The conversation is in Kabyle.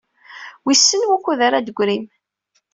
Wissen wukud ara d-teggrim?